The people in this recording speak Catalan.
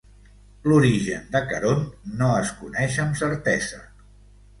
L'origen de Caront no es coneix amb certesa.